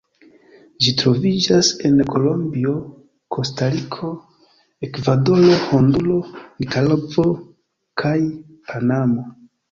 Ĝi troviĝas en Kolombio, Kostariko, Ekvadoro, Honduro, Nikaragvo kaj Panamo.